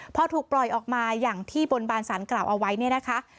พอถูกปล่อยออกมาอย่างที่บนบานสารกล่าวเอาไว้เนี่ยนะคะ